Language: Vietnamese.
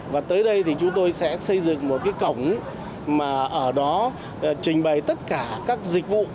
và tới đây thì chúng tôi sẽ xây dựng một cái cổng mà ở đó trình bày tất cả các dịch vụ